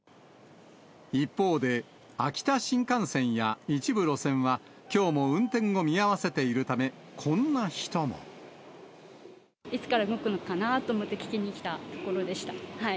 一方で、秋田新幹線や一部路線は、きょうも運転を見合わせているため、こんな人も。いつから動くのかなと思って、聞きに来たところでした。